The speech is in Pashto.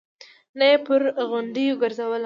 نه يې پر غونډيو ګرځولم.